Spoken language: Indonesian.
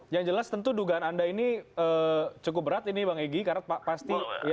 yang jelas tentu dugaan anda ini cukup berat ini bang egy karena pasti